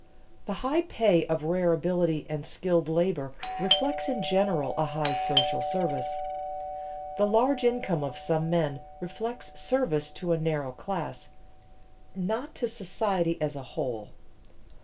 The high pay of rare ability and skilled labor reflects in general a high social service. The large income of some men reflects service to a narrow class, not to society as a whole.